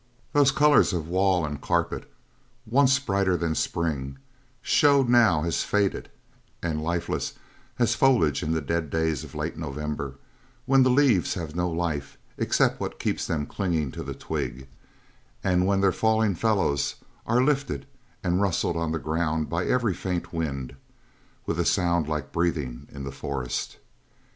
Those colours of wall and carpet, once brighter than spring, showed now as faded and lifeless as foliage in the dead days of late November when the leaves have no life except what keeps them clinging to the twig, and when their fallen fellows are lifted and rustled on the ground by every faint wind, with a sound like breathing in the forest.